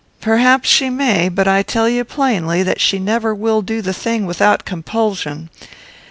"Perhaps she may; but I tell you plainly, that she never will do the thing without compulsion.